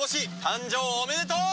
誕生おめでとう！